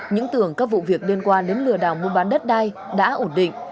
những tường các vụ việc liên quan đến lừa đảo mua bán đất đai đã ổn định